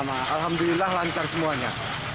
alhamdulillah lancar semuanya